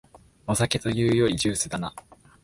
お酒というよりジュースだな